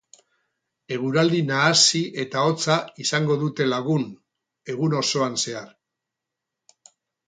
Eguraldi nahasi eta hotza izango dute lagun egun osoan zehar.